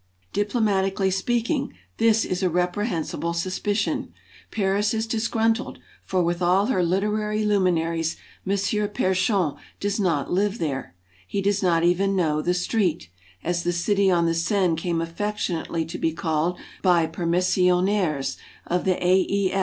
Diplomatically speaking, this is a reprehensible suspicion. Paris is disgruntled, for with all her literary luminaries, M. P6rechon does not live there; he does not even know the "Street", as the City on the Seine came affectionately to be called by per missionnaires of the A. E.